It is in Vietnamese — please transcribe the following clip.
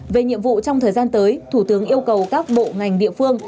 về nhiệm vụ trong thời gian tới thủ tướng yêu cầu các bộ ngành địa phương